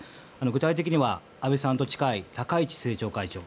具体的には安倍さんと近い高市政調会長